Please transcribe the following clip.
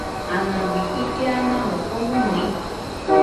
Anabi ille anamo, komɨnɨ ite.